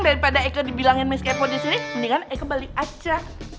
daripada eke dibilangin miss kepo di sini mendingan eke balik aja